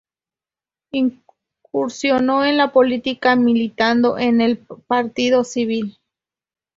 Incursionó en la política militando en el Partido Civil.